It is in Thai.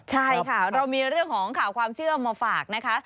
ใช่ค่ะเรามีเรื่องของข่าวความเชื่อมาฝากนะคะ